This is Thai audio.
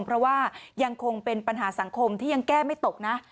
เพราะว่ายังคงเป็นปัญหาสังคมที่ยังแก้ไม่ตกนะ